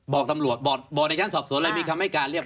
บอกตำรวจบอกในชั้นสอบส่วนอะไรมีคำให้การเรียบร้อย